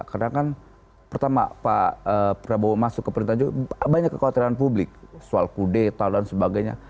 karena kan pertama pak prabowo masuk ke pemerintahan jokowi banyak kekhawatiran publik soal kudeta dan sebagainya